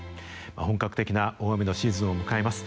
本格的な大雨のシーズンを迎えます。